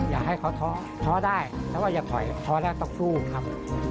อยากให้เขาท้อท้อได้แล้วก็อย่าถอยท้อแล้วต้องสู้ครับ